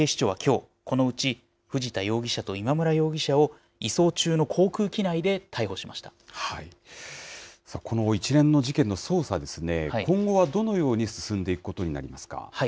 そして、警視庁はきょう、このうち藤田容疑者と今村容疑者を、移この一連の事件の捜査ですね、今後はどのように進んでいくことになりますか。